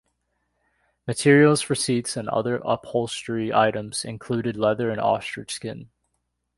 Materials for seats and other upholstery items included leather and ostrich skin.